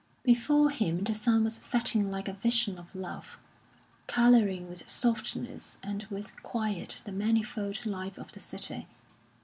Before him the sun was setting like a vision of love, colouring with softness and with quiet the manifold life of the city.